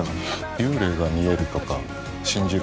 幽霊が見えるとか信じるの？